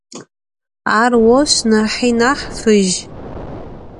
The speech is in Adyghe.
Ar voş nahi nah fıj.